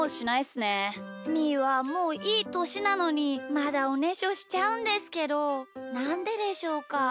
みーはもういいとしなのにまだおねしょしちゃうんですけどなんででしょうか？